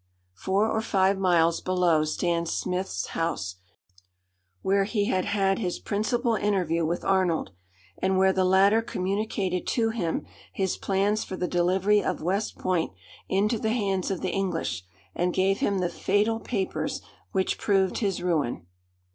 Four or five miles below stands Smith's house, where he had his principal interview with Arnold, and where the latter communicated to him his plans for the delivery of West Point into the hands of the English, and gave him the fatal papers which proved his ruin.